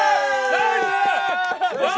ナイス！